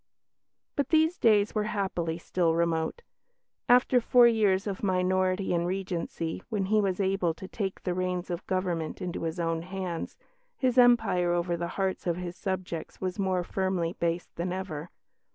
But these days were happily still remote. After four years of minority and Regency, when he was able to take the reins of government into his own hands, his empire over the hearts of his subjects was more firmly based than ever.